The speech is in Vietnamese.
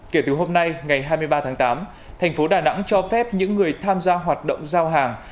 kể từ hôm nay ngày hai mươi ba tháng tám thành phố đà nẵng cho phép những người tham gia hoạt động giao hàng